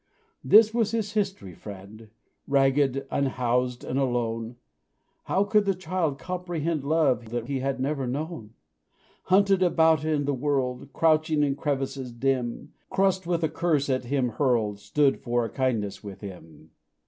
This was his history, friend Ragged, unhoused, and alone; How could the child comprehend Love that he never had known? Hunted about in the world, Crouching in crevices dim, Crust with a curse at him hurled Stood for a kindness with him.